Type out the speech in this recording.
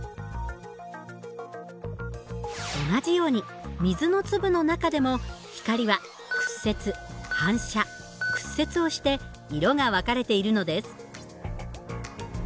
同じように水の粒の中でも光は屈折反射屈折をして色が分かれているのです。